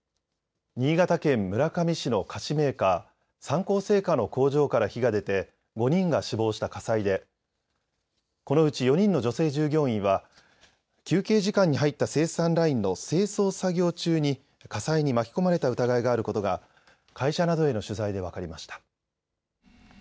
新潟県村上市の菓子メーカー三幸製菓の工場から火が出て５人が死亡した火災でこのうち４人の女性従業員は休憩時間に入った生産ラインの清掃作業中に火災に巻き込まれた疑いがあることが会社などへの取材で分かりました。